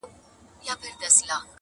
o پاچهي پاچهانو لره ښايي، لويي خداى لره!